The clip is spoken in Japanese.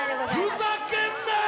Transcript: ふざけんなよ！